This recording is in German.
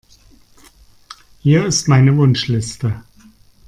Hier ist meine Wunschliste.